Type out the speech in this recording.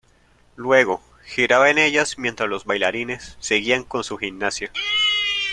Luego, giraba en ellas mientras los bailarines seguían con su gimnasia.